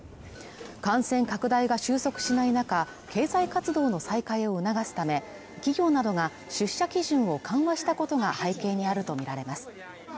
感染拡大が収束しない中経済活動の再開を促すため企業などが出社基準を緩和したことが背景にあると見られます